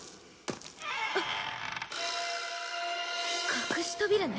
隠し扉ね。